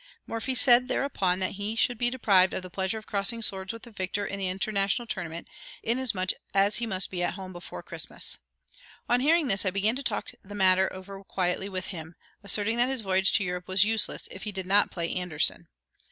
Morphy said, thereupon, that he should be deprived of the pleasure of crossing swords with the victor in the International Tournament, inasmuch as he must be at home before Christmas. On hearing this, I began to talk the matter over quietly with him, asserting that his voyage to Europe was useless, if he did not play Anderssen.